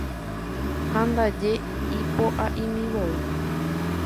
Ha ndaje ipoʼaʼimivoi.